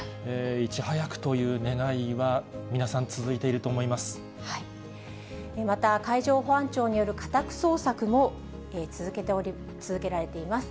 いち早くという願いは、皆さん、また、海上保安庁による家宅捜索も続けられています。